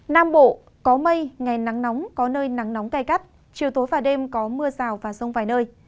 nam bộ có mây ngày nắng nóng có nơi nắng nóng cay cắt chiều tối và đêm có mưa rào và sông vài nơi